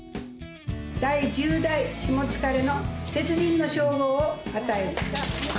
第１０代しもつかれの鉄人の称号を与える。